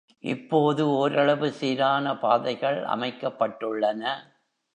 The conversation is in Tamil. இப்போது ஓரளவு சீரான பாதைகள் அமைக்கப்பட்டுள்ளன.